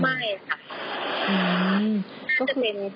ไม่ค่ะ